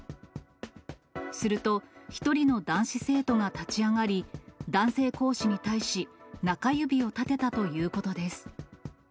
すると、１人の男子生徒が立ち上がり、男性講師に対し、中指を立てたということです。